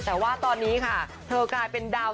แต่ว่าตอนนี้ค่ะเธอกลายเป็นดาว